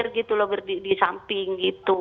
gitu loh di samping gitu